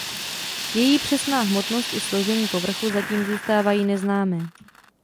Její přesná hmotnost i složení povrchu zatím zůstávají neznámé.